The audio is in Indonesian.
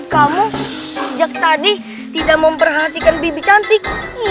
kamu sejak tadi tidak memperhatikan bibi cantik